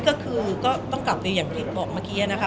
ก็คือก็ต้องกลับแต่อย่างที่บอกเมื่อกี้นะคะ